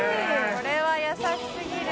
これは優しすぎる。